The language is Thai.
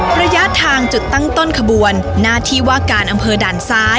เพื่อที่จะนำขบวนนั้นไปที่วัดผลชัยค่ะ